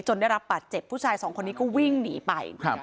ได้รับบาดเจ็บผู้ชายสองคนนี้ก็วิ่งหนีไป